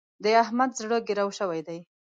د احمد زړه ګرو شوی دی.